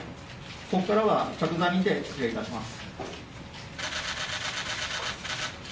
ここからは着座にて失礼いたします。